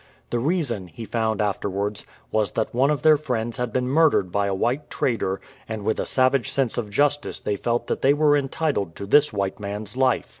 The reason, he found afterwards, was that one of their friends had been murdered by a white trader, and with a savage sense of justice they felt that they were entitled to this white man''s life.